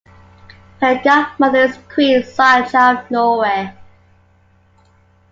Her Godmother is Queen Sonja of Norway.